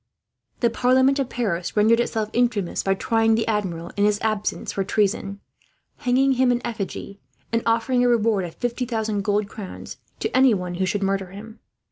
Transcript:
The Parliament of Paris rendered itself infamous by trying the Admiral, in his absence, for treason; hanging him in effigy; and offering a reward, of fifty thousand gold crowns, to anyone who should murder him.